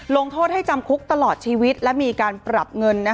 ลงโทษให้จำคุกตลอดชีวิตและมีการปรับเงิน